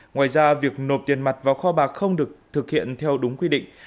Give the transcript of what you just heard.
ngoài ra việc nộp tiền mặt vào kho bạc không được thực hiện theo đúng quy định